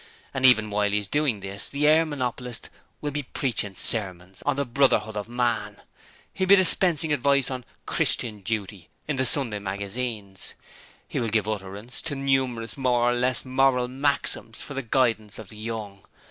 And even while he is doing this the air monopolist will be preaching sermons on the Brotherhood of Man; he will be dispensing advice on "Christian Duty" in the Sunday magazines; he will give utterance to numerous more or less moral maxims for the guidance of the young.